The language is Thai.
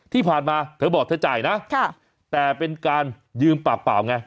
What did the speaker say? ที่ผ่านมาเธอบอกเธอจ่ายนะแต่เป็นการยืมปากเปล่าไง